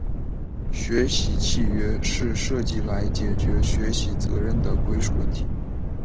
学习契约是设计来解决学习责任的归属问题。